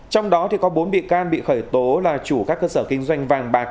trong đó có bốn bị can bị khởi tố là chủ các cơ sở kinh doanh vàng bạc